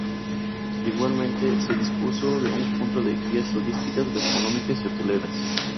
Igualmente, se dispuso de un punto con guías turísticas, gastronómicas y hoteleras.